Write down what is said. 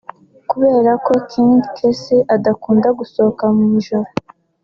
Kubera ko King Kc adakunda gusohoka mu ijoro